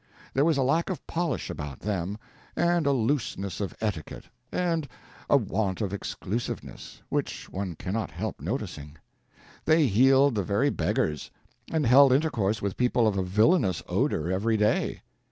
There was a lack of polish about them, and a looseness of etiquette, and a want of exclusiveness, which one cannot help noticing. They healed the very beggars, and held intercourse with people of a villainous odour every day.